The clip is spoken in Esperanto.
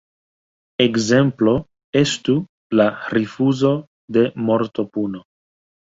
Ekzemplo estu la rifuzo de mortopuno.